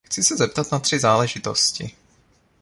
Chci se zeptat na tři záležitosti.